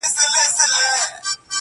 o که مرگ غواړې کندوز ته ولاړ سه.